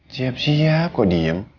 siap siap kok diem